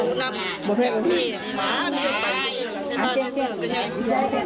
ตอนนี้ก็ไม่มีเวลาให้กลับมาเที่ยวกับเวลา